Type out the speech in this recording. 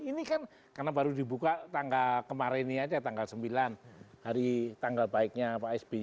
ini kan karena baru dibuka tanggal kemarin ini aja tanggal sembilan hari tanggal baiknya pak sby